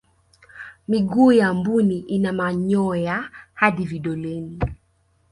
miguu ya mbuni ina manyoya hadi vidoleni